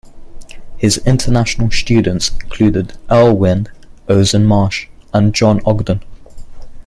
His international students included Earl Wild, Ozan Marsh, and John Ogdon.